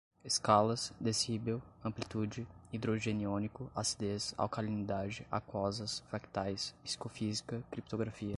escalas, decibel, amplitude, hidrogeniônico, acidez, alcalinidade, aquosas, fractais, psicofísica, criptografia